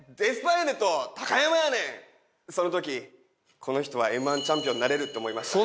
その時この人はＭ−１チャンピオンになれるって思いました。